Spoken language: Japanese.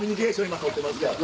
今取ってますから。